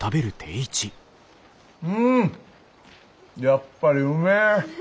うんやっぱりうめえ。